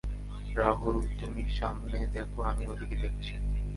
রাহুল তুমি সামনে দেখো আমি ওদিকে দেখছি।